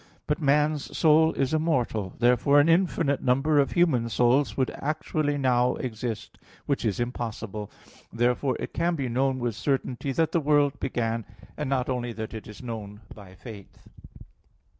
But man's soul is immortal: therefore an infinite number of human souls would actually now exist, which is impossible. Therefore it can be known with certainty that the world began, and not only is it known by faith.